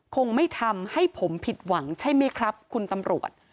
คงไม่ทำให้ผมผิดหวังใช่ไหมครับคุณตำรวจ